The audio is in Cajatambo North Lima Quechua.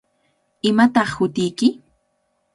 ¿Imataq hutiyki?